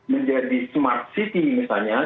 menjadi smart city misalnya